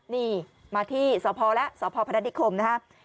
นี่มาที่สภและสภพนัทธิคมนะคะ